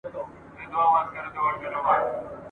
پت پلورونکي او مينځي